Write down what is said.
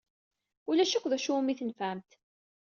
Ulac akk d acu umi tnefɛemt.